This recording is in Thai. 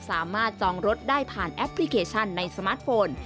จองรถได้ผ่านแอปพลิเคชันในสมาร์ทโฟน